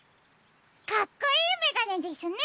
かっこいいめがねですね。